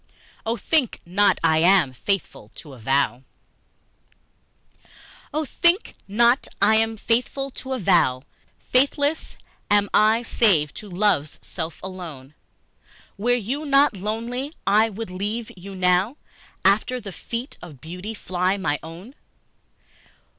III. Oh, think not I am faithful to a vow! OH, THINK not I am faithful to a vow! Faithless am I save to love's self alone. Were you not lovely I would leave you now: After the feet of beauty fly my own.